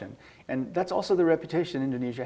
itu juga reputasi indonesia